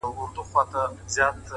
صبر د موخو د ساتنې ځواک دی’